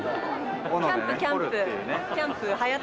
キャンプ、キャンプ。